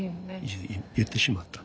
言ってしまった。